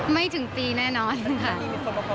ไม่ถึงปีแน่นอนค่ะ